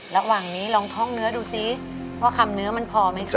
ระหว่างนี้ลองท่องเนื้อดูซิว่าคำเนื้อมันพอไหมคะ